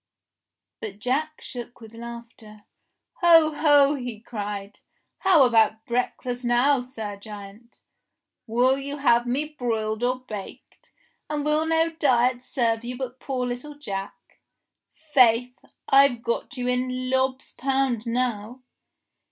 But Jack shook with laughter. "Ho, ho!" he cried, "how about breakfast now, Sir Giant? Will you have me broiled or baked ^ And will no diet serve you but poor little Jack .? Faith ! I've got you in Lob's pound now